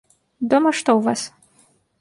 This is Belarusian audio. Дома што ў вас?